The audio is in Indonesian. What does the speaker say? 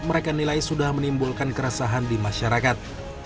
mereka nilai sudah menimbulkan keresahan di masyarakat